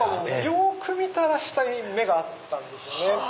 よく見たら下に芽があったんですよね。